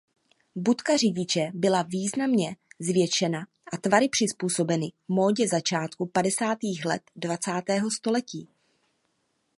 Budka řidiče byla významně zvětšena a tvary přizpůsobeny módě začátku padesátých let dvacátého století.